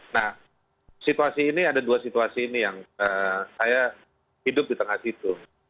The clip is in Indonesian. nah situasi ini ada dua situasi ini yang saya hidup di tengah situ